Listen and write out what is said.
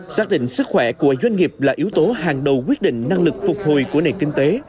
xác định sức khỏe của doanh nghiệp là yếu tố hàng đầu quyết định năng lực phục hồi của nền kinh tế